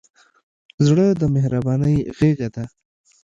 زړه د مهربانۍ غېږه ده.